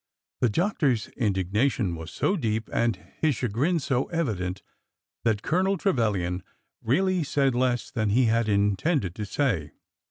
The doctor's in dignation was so deep and his chagrin so evident that Colonel Trevilian really said less than he had intended to say.